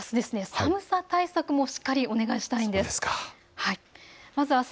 寒さ対策もしっかりとお願いしたいんです。